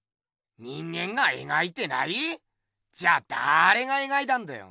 人間がえがいてない⁉じゃだれがえがいたんだよ。